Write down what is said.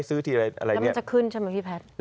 ทีอะไรแล้วมันจะขึ้นใช่ไหมพี่แพทย์